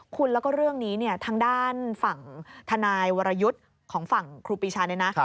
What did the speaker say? คุณแล้วก็เรื่องนี้เนี่ยทางด้านฝั่งทนายวรยุทธ์ของฝั่งครูปีชาเนี่ยนะ